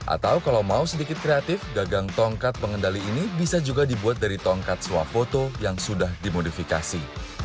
atau kalau mau sedikit kreatif gagang tongkat pengendali ini bisa juga dibuat dari tongkat swafoto yang sudah dimodifikasi